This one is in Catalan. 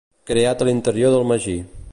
Creat a l'interior del magí.